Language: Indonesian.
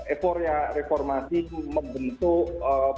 eforia reformasi membentuk eee